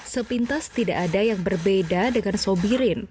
sepintas tidak ada yang berbeda dengan sobirin